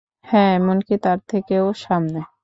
হা, এমনকি তার থেকেও সামনে।